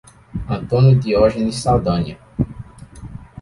Antônio Diogenes Saldanha